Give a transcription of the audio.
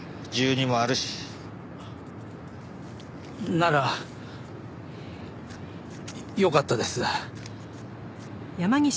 ならよかったです。